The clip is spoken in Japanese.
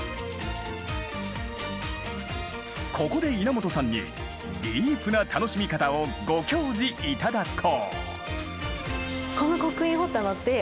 ここでいなもとさんにディープな楽しみ方をご教示頂こう。